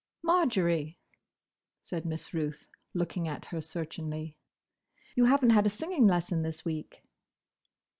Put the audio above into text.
"Marjory," said Miss Ruth, looking at her searchingly, "you haven't had a singing lesson this week."